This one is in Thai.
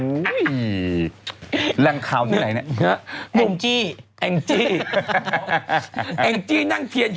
อุ๊ยแรงข้าวที่ไหนเนี่ย